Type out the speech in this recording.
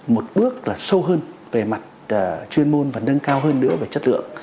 một bước là sâu hơn về mặt chuyên môn và nâng cao hơn nữa về chất lượng